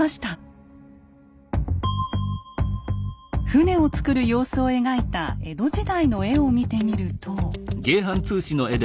船を造る様子を描いた江戸時代の絵を見てみると。